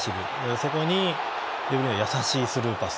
そこにデブルイネ優しいスルーパス。